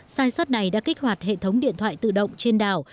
sai sát này đã kích hoạt hệ thống điện thoại tự động trên đảo